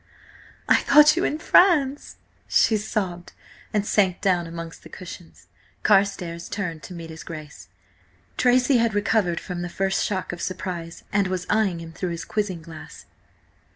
"I thought you in France!" she sobbed, and sank down amongst the cushions. Carstares turned to meet his Grace Tracy had recovered from the first shock of surprise and was eyeing him though his quizzing glass.